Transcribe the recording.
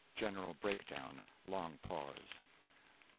(General break down long pause.)